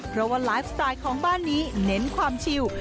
เพราะว่าไลฟ์สไตล์ของบ้านนี้เน้นความชิว